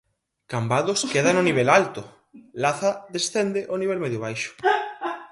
Cambados queda no nivel alto, Laza descende ó nivel medio baixo.